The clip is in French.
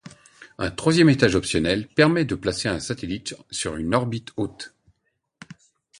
Un troisième étage optionnel permet de placer un satellite sur une orbite haute.